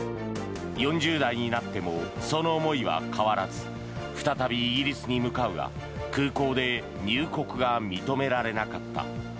４０代になってもその思いは変わらず再びイギリスに向かうが空港で入国が認められなかった。